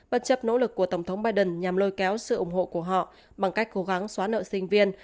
bất chấp nỗ lực của tổng thống biden nhằm lôi kéo sự ủng hộ của họ bằng cách cố gắng xóa nợ sinh viên